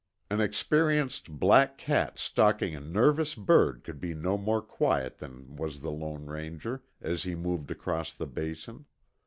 An experienced black cat stalking a nervous bird could be no more quiet than was the Lone Ranger as he moved across the Basin.